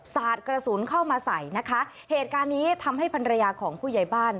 สาดกระสุนเข้ามาใส่นะคะเหตุการณ์นี้ทำให้ภรรยาของผู้ใหญ่บ้าน